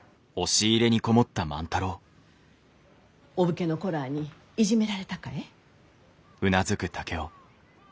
お武家の子らあにいじめられたかえ？